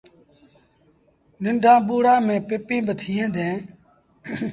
ننڍآن ٻوڙآن ميݩ پپيٚن با ٿئيٚݩ ديٚݩ۔